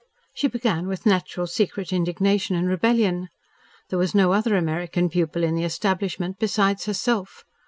She began with natural, secret indignation and rebellion. There was no other American pupil in the establishment besides herself.